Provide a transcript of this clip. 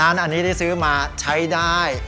อันนี้ได้ซื้อมาใช้ได้